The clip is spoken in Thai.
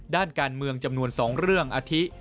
ด้านการเมืองจำนวน๒เรื่องอาทิ